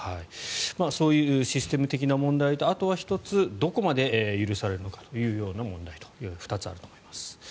そういうシステム的な問題とあとは１つどこまで許されるのかという問題の２つがあると思います。